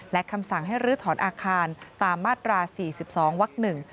และคำสั่งให้ลื้อถอนอาคารตามมาตรา๔๒วักหนึ่ง